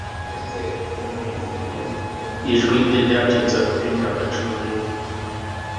Ijwi rye ryacitse afite imyaka cumi nibiri